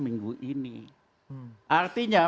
minggu ini artinya